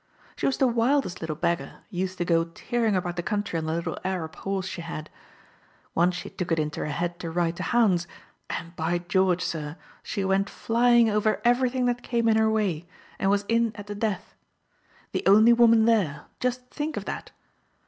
She was the wildest little beggar; used to go tearing about the country on a little Arab horse she had. Once she took it into her head to. ride to hounds, and, by George, sir, she went flying over everything that came in her way and was in at the death ! The only woman there ; just think of that!